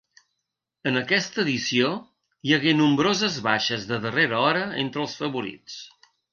En aquesta edició hi hagué nombroses baixes de darrera hora entre els favorits.